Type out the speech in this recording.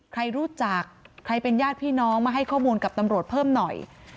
ใครรู้จักใครเป็นญาติพี่น้องมาให้ข้อมูลกับตำรวจเพิ่มหน่อย